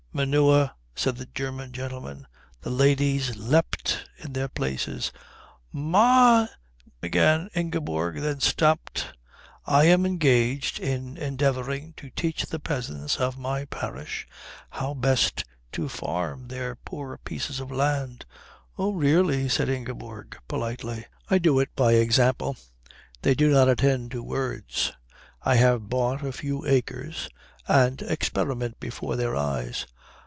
"Manure," said the German gentleman. The ladies leapt in their places. "Ma " began Ingeborg; then stopped. "I am engaged in endeavouring to teach the peasants of my parish how best to farm their poor pieces of land." "Oh, really," said Ingeborg, politely. "I do it by example. They do not attend to words. I have bought a few acres and experiment before their eyes.